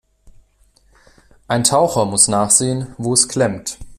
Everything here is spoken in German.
Ein Taucher muss nachsehen, wo es klemmt.